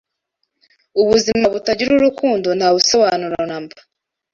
Ubuzima butagira urukundo nta busobanuro namba.